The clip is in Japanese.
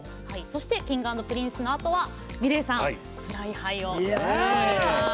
Ｋｉｎｇ＆Ｐｒｉｎｃｅのあとはｍｉｌｅｔさん「ＦｌｙＨｉｇｈ」を。